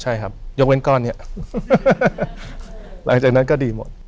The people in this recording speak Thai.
ใช่ครับยกเว้นก้อนนี้หลังจากนั้นก็ดีหมด